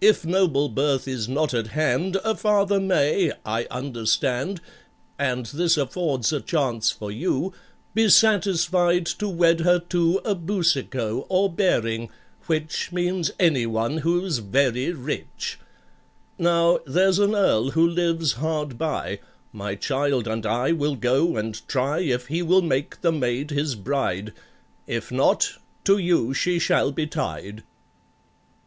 If noble birth is not at hand, A father may, I understand (And this affords a chance for you), Be satisfied to wed her to A BOUCICAULT or BARING—which Means any one who's very rich. Now, there's an Earl who lives hard by,— My child and I will go and try If he will make the maid his bride— If not, to you she shall be tied."